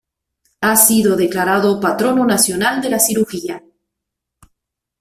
Ha sido declarado Patrono Nacional de la Cirugía.